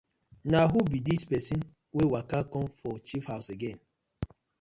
Na who bi dis pesin wey waka com for chief haws again.